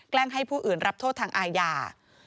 ให้ผู้อื่นรับโทษทางอาญา